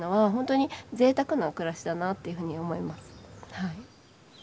はい。